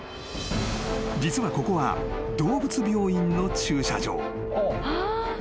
［実はここは動物病院の駐車場］